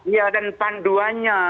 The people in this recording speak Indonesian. iya dan panduannya